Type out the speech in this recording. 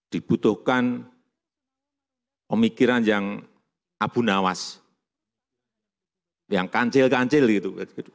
dibutuhkan pemikiran yang abunawas yang kancil kancil gitu